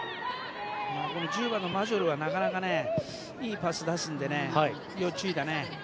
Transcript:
１０番のマジョルはなかなかいいパスを出すので要注意だね。